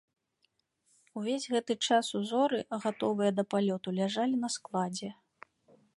Увесь гэты час ўзоры, гатовыя да палёту, ляжалі на складзе.